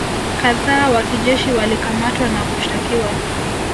kadhaa wa kijeshi walikamatwa na kushtakiwa